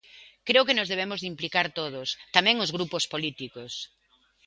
Creo que nos debemos de implicar todos, tamén os grupos políticos.